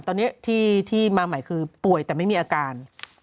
ตอนนี้ที่มาใหม่คือป่วยแต่ไม่มีอาการ